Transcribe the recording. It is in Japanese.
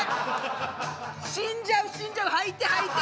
死んじゃう死んじゃう吐いて吐いて！